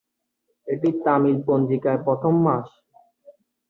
এটি তামিল পঞ্জিকায় প্রথম মাস।